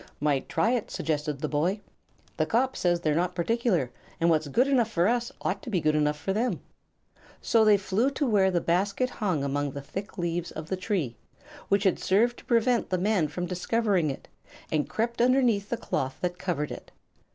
"Might try it," suggested the boy. "The cop says they're not particular, and what's good enough for us ought to be good enough for them." So they flew to where the basket hung among the thick leaves of the tree, which had served to prevent the men from discovering it, and crept underneath the cloth that covered it.